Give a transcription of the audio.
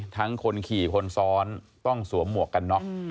คนขี่คนซ้อนต้องสวมหมวกกันน็อก